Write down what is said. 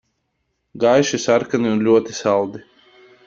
Gaiši sarkani un ļoti saldi.